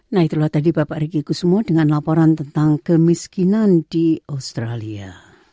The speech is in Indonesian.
nah itulah tadi bapak riki kusumo dengan laporan tentang kemiskinan di australia